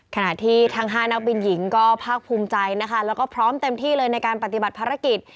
ขณะที่ทั้ง๕นักบินหญิงก็ภาคภูมิใจนะคะแล้วก็พร้อมเต็มที่เลยในการปฏิบัติภารกิจ